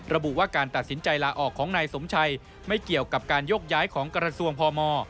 ระบุว่าการตัดสินใจลาออกของนายสมชัยไม่เกี่ยวกับการยกย้ายของกระทรวงพม